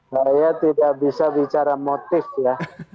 saya tidak bisa bicara motif ya